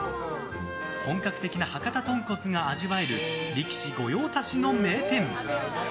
本格的な博多とんこつが味わえる力士御用達の名店！